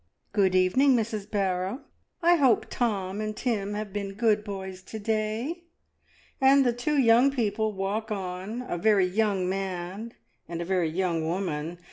Good even ing, Mrs. Barrow; I hope Tom and Tim have been good boys to day." And the two young people walk on — a very young man and a very young woman.